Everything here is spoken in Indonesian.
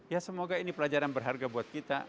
ya semoga ini pelajaran berharga buat kita